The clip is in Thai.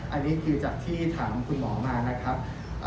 อันนี้คือจากที่ถามคุณหมอมานะครับ